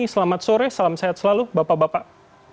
selamat sore salam sehat selalu bapak bapak